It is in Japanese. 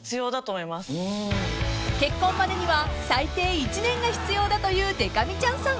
［結婚までには最低１年が必要だというでか美ちゃんさん］